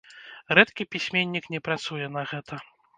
Рэдкі пісьменнік не працуе на гэта.